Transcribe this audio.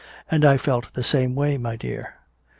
And I felt the same way, my dear.